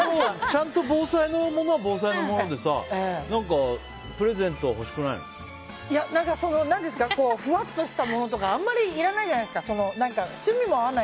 ちゃんと防災のものは防災のものでいや、ふわっとしたものとかあんまりいらないじゃないですか。